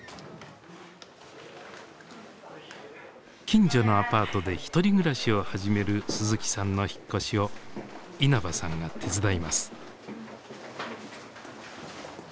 近所のアパートで１人暮らしを始める鈴木さんの引っ越しを稲葉さんが手伝います。